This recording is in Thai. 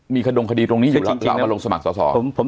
มีขดงคดีตรงนี้อยู่แล้วเรามาลงสมัครสอสอ